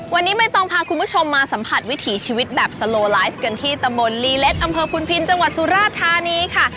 วันนี้ไม่ต้องพาคุณผู้ชมมาสัมผัสวิถีชีวิตแบบสโลไลฟ์กันที่ตำบลลีเล็ดอำเภอพุนพินจังหวัดสุราธานีค่ะ